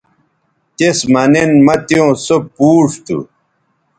تس مہ نن مہ تیوں سو پوڇ تھو